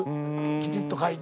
きちっと書いて。